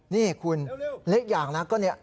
นี่คุณเล็กอย่างนะก็เนี่ย